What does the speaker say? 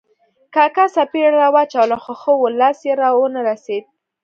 کاکا څپېړه را واچوله خو ښه وو، لاس یې را و نه رسېد.